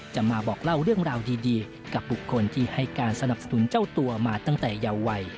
มาบอกเล่าเรื่องราวดีกับบุคคลที่ให้การสนับสนุนเจ้าตัวมาตั้งแต่เยาวัย